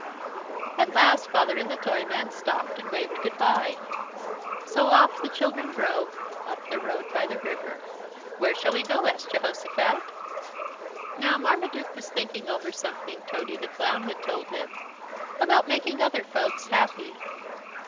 At last Father and the Toyman stopped and waved good bye. So off the children drove, up the road by the river. "Where shall we go?" asked Jehosophat. Now Marmaduke was thinking over something Tody the Clown had told him about making other folks happy.